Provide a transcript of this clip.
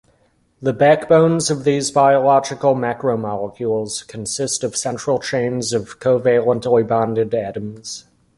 The backbones of these biological macromolecules consist of central chains of covalently bonded atoms.